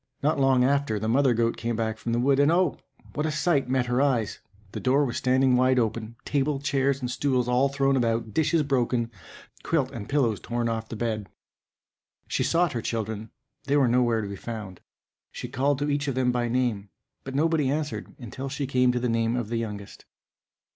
Not long after, the mother goat came back from the wood; and, oh! what a sight met her eyes! the door was standing wide open, table, chairs, and stools, all thrown about, dishes broken, quilt and pillows torn off the bed. She sought her children, they were nowhere to be found. She called to each of them by name, but nobody answered, until she came to the name of the youngest.